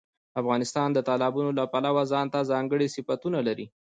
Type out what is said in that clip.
افغانستان د تالابونو له پلوه ځانته ځانګړي صفتونه لري.